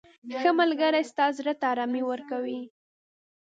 • ښه ملګری ستا زړه ته ارامي ورکوي.